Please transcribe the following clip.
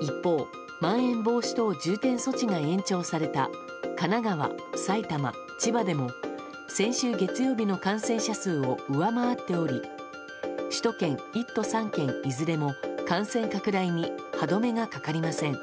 一方、まん延防止等重点措置が延長された神奈川、埼玉、千葉でも先週月曜日の感染者数を上回っており首都圏１都３県いずれも感染拡大に歯止めがかかりません。